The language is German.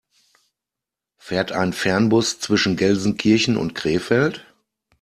Fährt ein Fernbus zwischen Gelsenkirchen und Krefeld?